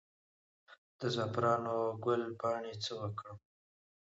د زعفرانو ګل پاڼې څه وکړم؟